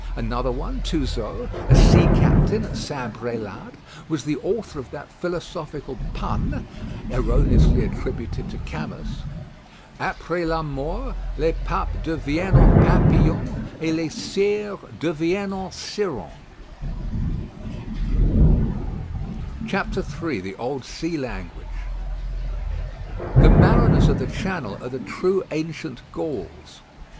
Another one, Touzeau, a sea captain at St. Brélade, was the author of that philosophical pun, erroneously attributed to Camus, "Après la mort, les papes deviennent papillons, et les sires deviennent cirons." III THE OLD SEA LANGUAGE The mariners of the Channel are the true ancient Gauls.